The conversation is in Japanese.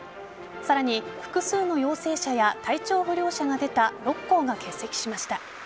さらに複数の陽性者や体調不良者が出た６校が欠席しました。